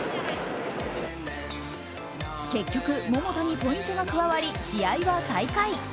結局、桃田にポイントが加わり試合は再開。